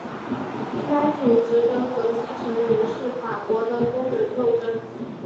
该组织的核心成员是法国的工人斗争。